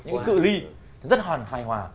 những cái cự li rất hòa hài hòa